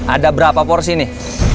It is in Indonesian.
ada berapa porsi nih